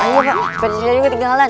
oh iya pak peci saya juga ketinggalan